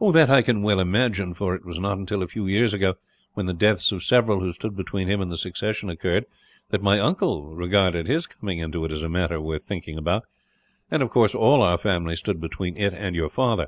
"That I can well imagine, for it was not until a few years ago, when the deaths of several who stood between him and the succession occurred, that my uncle regarded his coming into it as a matter worth thinking about; and of course all our family stood between it and your father.